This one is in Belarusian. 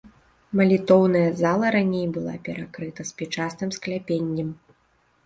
Малітоўная зала раней была перакрыта спічастым скляпеннем.